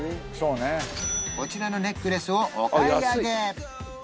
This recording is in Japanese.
こちらのネックレスをお買い上げ